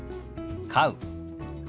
「飼う」。